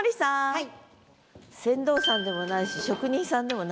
はい。